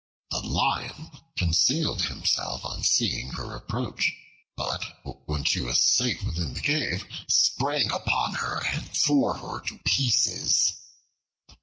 The Lion concealed himself on seeing her approach, but when she was safe within the cave, sprang upon her and tore her to pieces.